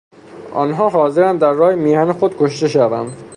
آنها حاضرند در راه میهن خود کشته شوند.